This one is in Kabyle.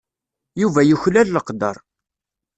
Yuba yuklal leqder.